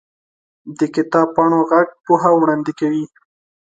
د کتاب پاڼو ږغ پوهه وړاندې کوي.